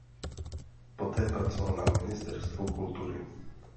Poté pracoval na Ministerstvu kultury.